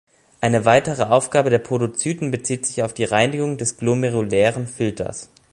Eine weitere Aufgabe der Podozyten bezieht sich auf die Reinigung des glomerulären Filters.